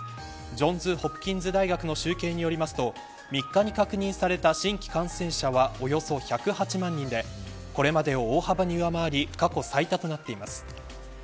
ジョンズ・ホプキンズ大学の集計によりますと３日に確認された新規感染者はおよそ１０８万人でこれまでを大幅に上回り過去最多となっています。